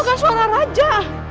itu kan suara raja